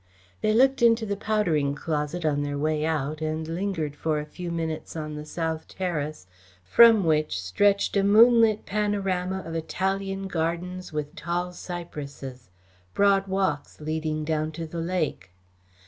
They looked into the powdering closet on their way out and lingered for a few minutes on the south terrace, from which stretched a moonlit panorama of Italian gardens with tall cypresses, broad walks leading down to the lake.